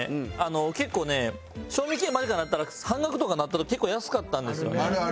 結構ね賞味期限間近になったら半額とかなってる結構安かったんですよね。